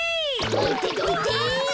どいてどいて！